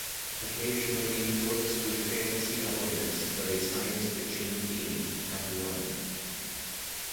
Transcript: Occasionally books with fantasy elements but a science fiction theme have won.